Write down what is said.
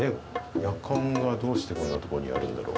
やかんがどうしてこんな所にあるんだろう。